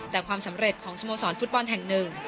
แต่ความสำเร็จของสโมสรฟุตบอลแห่งหนึ่ง